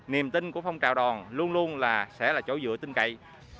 niềm tin của phong trào đoàn luôn luôn là sẽ là chỗ dựa tinh cậy